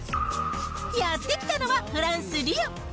やって来たのは、フランス・リヨン。